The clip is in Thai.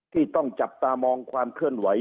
ที่ต้องจับตามองความเคลื่อนไหว